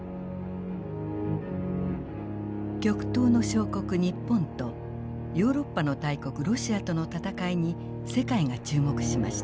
極東の小国日本とヨーロッパの大国ロシアとの戦いに世界が注目しました。